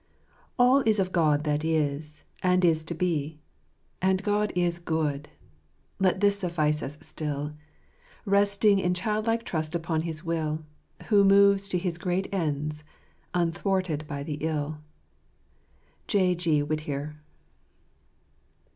All is of God that is, and is to be ; And God is good 1 Let this suffice us still ; Resting in childlike trust upon his will. Who moves to his great ends, unthwarled by the ill." J. G. Whittier.